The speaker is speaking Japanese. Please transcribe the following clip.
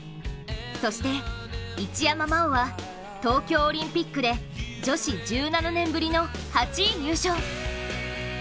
そして一山麻緒は東京オリンピックで女子１７年ぶりの８位入賞。